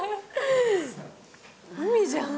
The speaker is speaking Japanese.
海じゃん！